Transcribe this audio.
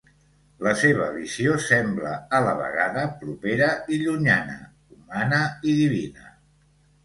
La seva visió sembla a la vegada propera i llunyana, humana i divina.